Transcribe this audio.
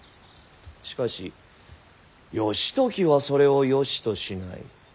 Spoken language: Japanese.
しかし義時はそれをよしとしない。